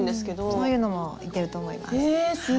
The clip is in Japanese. そういうのもいけると思います。